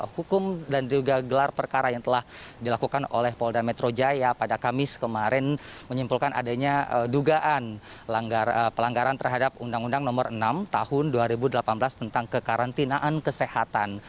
hukum dan juga gelar perkara yang telah dilakukan oleh polda metro jaya pada kamis kemarin menyimpulkan adanya dugaan pelanggaran terhadap undang undang nomor enam tahun dua ribu delapan belas tentang kekarantinaan kesehatan